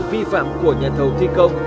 vi phạm của nhà đầu thi công